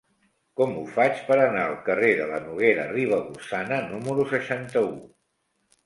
Com ho faig per anar al carrer de la Noguera Ribagorçana número seixanta-u?